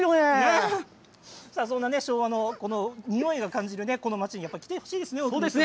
そんな昭和のにおいを感じるこの町に来てほしいですね